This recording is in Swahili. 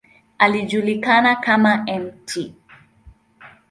Alijulikana kama ""Mt.